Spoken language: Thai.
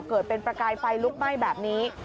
เกิดเป็นประกายไฟลุกไหม้แบบนี้